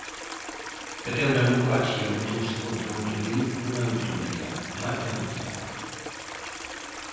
Meteuna no coche e botouse contra outro vehículo na autovía, Marta González.